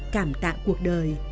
cảm tạng cuộc đời